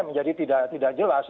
menjadi tidak jelas